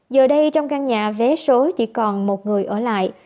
giờ đây trong căn nhà vé số chỉ còn một người ở lại